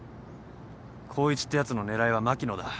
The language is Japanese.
光一ってやつの狙いは牧野だ。